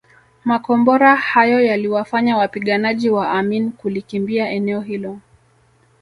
Makombora hayo yaliwafanya wapiganaji wa Amin kulikimbia eneo hilo